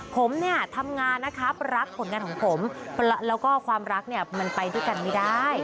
ผมเนี่ยทำงานนะครับรักผลงานของผมแล้วก็ความรักเนี่ยมันไปด้วยกันไม่ได้